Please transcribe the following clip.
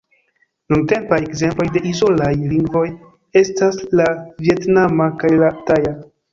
Nuntempaj ekzemploj de izolaj lingvoj estas la vjetnama kaj la taja.